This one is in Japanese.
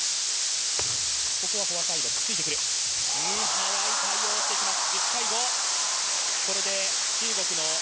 早い対応をしてきます。